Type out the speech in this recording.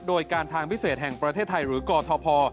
โดยการทางพิเศษแห่งประเทศไทยหรือกอทพ